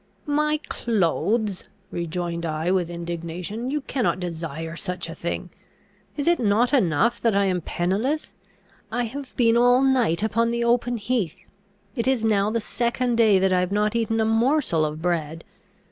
"My clothes!" rejoined I with indignation, "you cannot desire such a thing. Is it not enough that I am pennyless? I have been all night upon the open heath. It is now the second day that I have not eaten a morsel of bread.